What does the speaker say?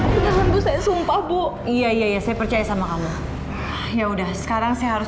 padahal saya sumpah bu iya ya saya percaya sama kamu ya udah sekarang saya harus